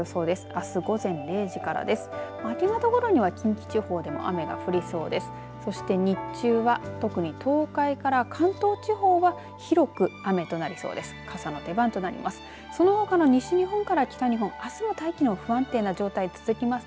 あす午前０時からです。